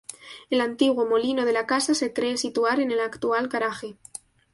El antiguo molino de la casa se cree situar en el actual garaje.